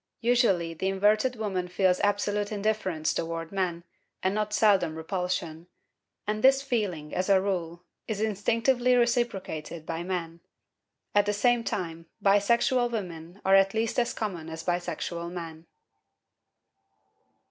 Usually the inverted woman feels absolute indifference toward men, and not seldom repulsion. And this feeling, as a rule, is instinctively reciprocated by men. At the same time bisexual women are at least as common as bisexual men.